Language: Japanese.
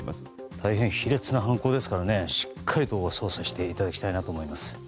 大変卑劣な犯行ですからしっかり捜査していただきたいと思います。